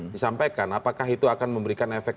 disampaikan apakah itu akan memberikan efek